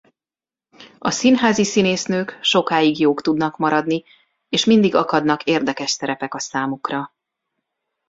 A színházi színésznők sokáig jók tudnak maradni és mindig akadnak érdekes szerepek számukra.